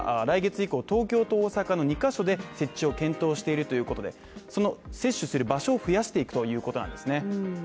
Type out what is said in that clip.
来月以降東京と大阪の２ヶ所で設置を検討しているということで、その接種する場所を増やしていくということなんですね